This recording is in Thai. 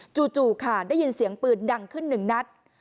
จู่ค่ะได้ยินเสียงปืนดังขึ้นหนึ่งนัด